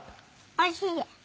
おいしい！